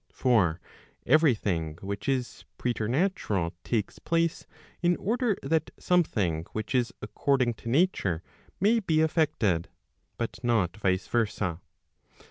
For every thing which is preternatural takes place, in order that something which is according to nature may be effected, but not vice versa.